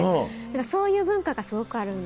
そういう文化がすごくあるんですよね。